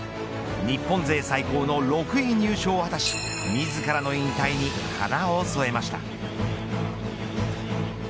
日本勢最高の６位入賞を果たし自らの引退に華を添えました。